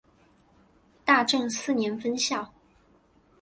大正四年分校。